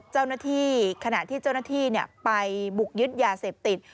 เจ้าหน้าที่ขณะที่เจ้าหน้าที่ไปบุกยึดยาเสพติด